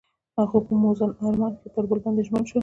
هغوی په موزون آرمان کې پر بل باندې ژمن شول.